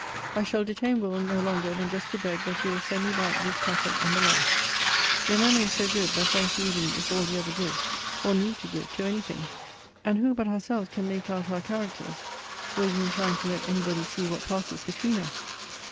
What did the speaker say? I shall detain Will. no longer than just to beg that you will send me back this packet and the last. Your memory is so good, that once reading is all you ever give, or need to give, to any thing. And who but ourselves can make out our characters, were you inclined to let any body see what passes between us?